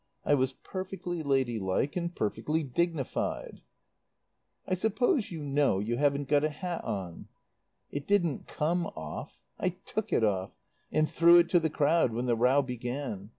I was perfectly lady like and perfectly dignified." "I suppose you know you haven't got a hat on?" "It didn't come off. I took it off and threw it to the crowd when the row began.